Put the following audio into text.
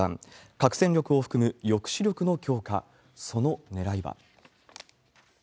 核戦力を含む抑止力の強化、そのねらいは。